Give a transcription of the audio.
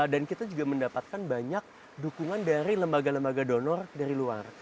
dan kita juga mendapatkan banyak dukungan dari lembaga lembaga donor dari luar